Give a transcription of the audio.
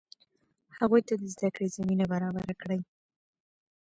هغوی ته د زده کړې زمینه برابره کړئ.